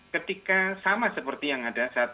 ketika sama seperti yang ada saat